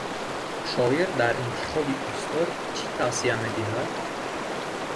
Шоир дар интихоби устод чӣ тавсия медиҳад?